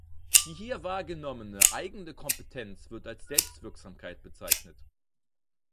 Die hier wahrgenommene eigene Kompetenz wird als Selbstwirksamkeit bezeichnet.